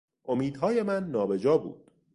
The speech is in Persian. امیدهای من نابجا بود.